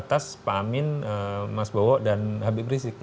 atas pak amin mas bowo dan habib rizik